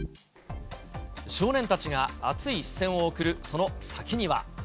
少年たちが熱い視線を送るその先には。